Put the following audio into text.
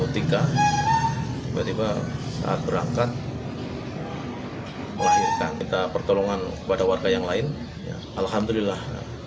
tiba tiba saat berangkat melahirkan kita pertolongan kepada warga yang lain alhamdulillah